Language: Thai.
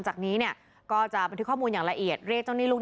ใช่ค่ะอืมก็คือถ้าค่าเลยเวลาก็คือตามงานเอง